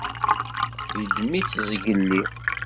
Yeddem-itt zgelli.